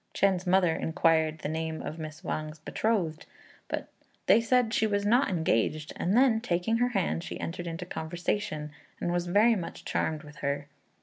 Chên's mother inquired the name of Miss Wang's betrothed, but they said she was not engaged; and then taking her hand, she entered into conversation, and was very much charmed with her.